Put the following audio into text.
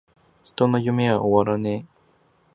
人の夢は!!!終わらねェ!!!!